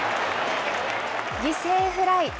犠牲フライ。